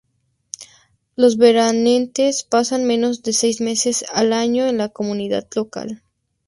Los veraneantes pasan menos de seis meses al año en la comunidad local.